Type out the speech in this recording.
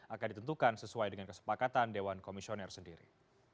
akan ditentukan sesuai dengan kesepakatan dewan komisioner sendiri